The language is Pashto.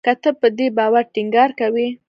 که ته په دې باور ټینګار کوې